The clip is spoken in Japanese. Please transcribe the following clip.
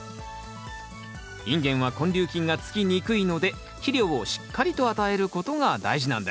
インゲンは根粒菌がつきにくいので肥料をしっかりと与えることが大事なんです